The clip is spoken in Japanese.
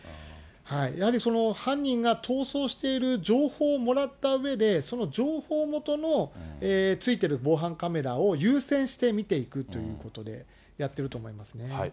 やはり犯人が逃走している情報をもらったうえで、その情報元のついてる防犯カメラを優先して見ていくということでやってると思いますね。